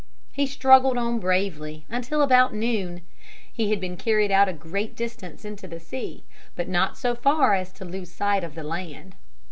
He struggled on bravely until about noon. He had been carried out a great distance into the sea, but not so far as to lose sight of the land.